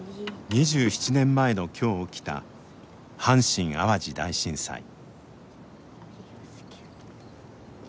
２７年前のきょう起きた阪神・淡路大震災。